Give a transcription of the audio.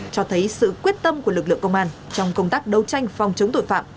cho thấy sự quyết tâm của lực lượng công an trong công tác đấu tranh phòng chống tội phạm